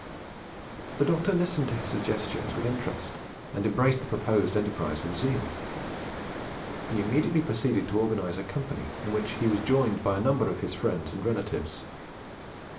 The Doctor listened to his suggestions with interest, and embraced the proposed enterprise with zeal. He immediately proceeded to organize a company, in which he was joined by a number of his friends and relatives.